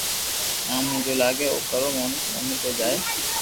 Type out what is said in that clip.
آم ني جي لاگي او ڪرو مارو ڪوئي ڪوئ جائي